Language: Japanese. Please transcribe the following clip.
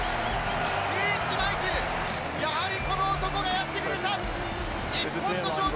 リーチマイケルやはりこの男がやってくれた！